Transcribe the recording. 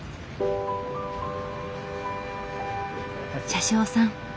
車掌さん